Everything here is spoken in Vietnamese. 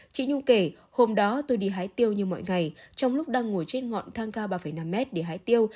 chị nhung kể hôm đó tôi đi hái tiêu như mọi ngày trong lúc đang ngồi trên ngọn thang cao ba năm mét để hái tiêu